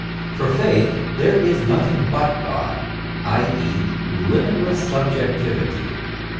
For faith there is nothing but God, i.e., limitless subjectivity.